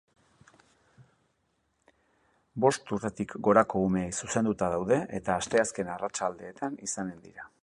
Bost urtetik gorako umeei zuzenduta daude eta asteazken arratsaldeetan izanen dira